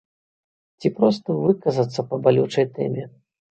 Ці проста выказацца па балючай тэме.